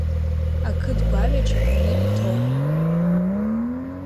Ақыд гәаҩа чаԥаны иҭоуп.